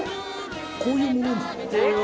こういうものなの？